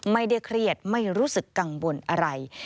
ไม่ได้เครียดไม่รู้สึกกังวลอะไร